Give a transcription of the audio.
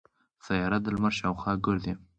سیاره د لمر شاوخوا ګرځي.